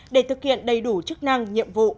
để thực hiện đầy đủ chức năng nhiệm vụ